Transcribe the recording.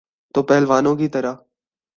تو پہلوانوں کی طرح۔